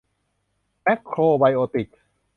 แมคโครไบโอติก